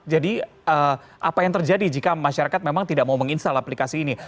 jadi apa yang terjadi jika masyarakat memang tidak mau menginstall aplikasi ini